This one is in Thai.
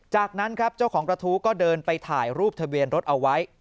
จากนั้นครับเจ้าของกระทู้ก็เดินไปถ่ายรูปทะเบียนรถเอาไว้